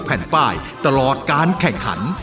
แผ่นป้ายตลอดการแข่งขัน